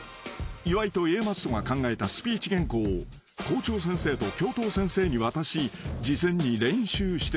［岩井とＡマッソが考えたスピーチ原稿を校長先生と教頭先生に渡し事前に練習してもらい］